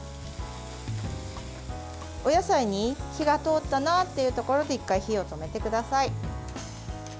お野菜に火が通ったなというところで１回、火を止めてください。